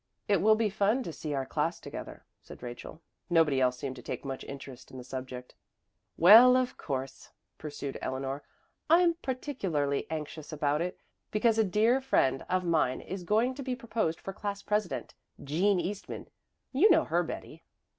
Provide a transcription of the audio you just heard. "It will be fun to see our class together," said Rachel. Nobody else seemed to take much interest in the subject. "Well, of course," pursued Eleanor, "I'm particularly anxious about it because a dear friend of mine is going to be proposed for class president Jean Eastman you know her, Betty."